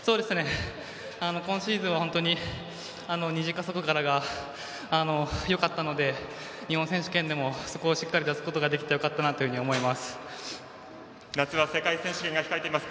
今シーズンは本当に２次加速からがよかったので、日本選手権でもそこをしっかり出すことができて夏は世界選手権が控えています。